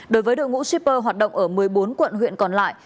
đối với đội ngũ shipper hoạt động ở một mươi bốn quận huyện còn lại